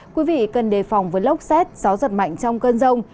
quý vị cần đề phòng với lốc xét gió giật mạnh trong cơn rông